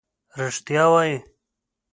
رښتیا وایې.